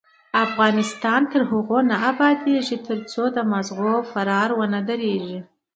افغانستان تر هغو نه ابادیږي، ترڅو د ماغزو فرار ونه دریږي.